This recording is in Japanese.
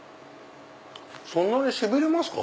そんなにしびれますか？